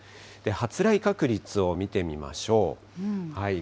発雷確率を見てみましょう。